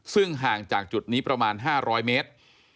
ซึ่งห่างจากจุดนี้ประมาณ๕๐๐เมตร